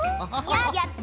やった！